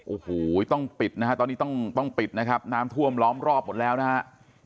โอ้โหต้องปิดนะฮะตอนนี้ต้องปิดนะครับน้ำท่วมล้อมรอบหมดแล้วนะฮะ